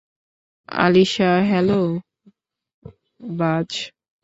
Alisha hello, বায।